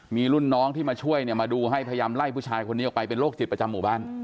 มีรุ่นน้องที่มาช่วยเนี่ยมาดูให้พยายามไล่ผู้ชายคนนี้ออกไปเป็นโรคจิตประจำหมู่บ้าน